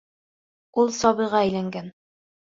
Ул сабыйға әйләнгән.